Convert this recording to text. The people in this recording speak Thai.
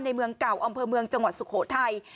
เมืองเก่าอำเภอเมืองจังหวัดสุโขทัย